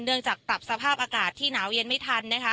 เนื่องจากตับสภาพอากาศที่หนาวเย็นไม่ทัน